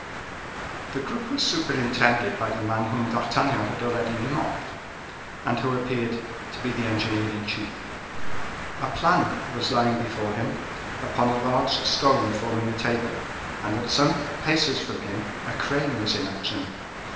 This group was superintended by the man whom D'Artagnan had already remarked, and who appeared to be the engineer in chief. A plan was lying open before him upon a large stone forming a table, and at some paces from him a crane was in action.